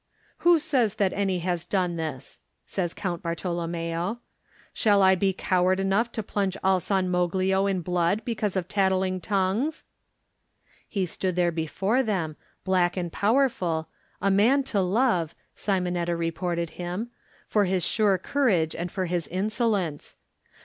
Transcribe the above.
"Who says that any has done this?" says Count Bartolommeo. "Shall I be coward enough to plunge all San Moglio in blood because of tattling tongues?" He stood there before them, black and powerful, a man to love, Simonetta reported him, for his sure courage and for his inso lence.